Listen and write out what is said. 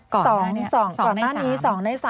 ก่อนแรกนี้๒ใน๓